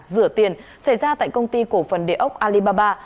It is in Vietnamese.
rửa tiền xảy ra tại công ty cổ phần địa ốc alibaba